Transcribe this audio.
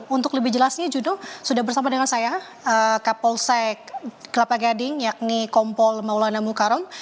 untuk lebih jelasnya judo sudah bersama dengan saya kapolsek kelapa gading yakni kompol maulana mukarong